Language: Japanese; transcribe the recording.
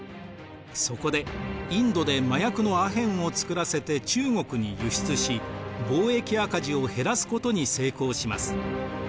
そこでインドで麻薬のアヘンを作らせて中国に輸出し貿易赤字を減らすことに成功します。